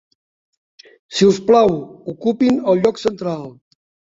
Si us plau, ocupin el lloc central.